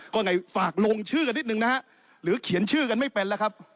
ก็ไหนฝากลงชื่อกันนิดนึงนะฮะหรือเขียนชื่อกันไม่เป็นแล้วครับ